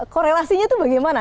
korelasinya itu bagaimana